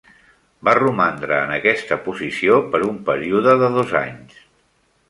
Va romandre en aquesta posició per un període de dos anys.